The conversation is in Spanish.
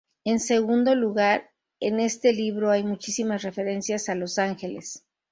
En segundo lugar, en este libro hay muchísimas referencias a los ángeles.